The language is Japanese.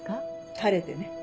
晴れてね。